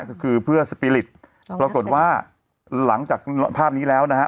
ก็คือเพื่อสปีริตปรากฏว่าหลังจากภาพนี้แล้วนะฮะ